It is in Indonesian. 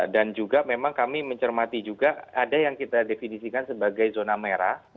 dan juga memang kami mencermati juga ada yang kita definisikan sebagai zona merah